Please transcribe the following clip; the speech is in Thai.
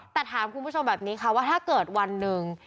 แต่ถามคุณผู้ชมแบบนี้ค่ะว่าถ้าเกิดวันหนึ่ง